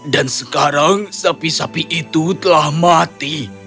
dan sekarang sapi sapi itu telah mati